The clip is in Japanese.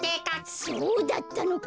そうだったのか。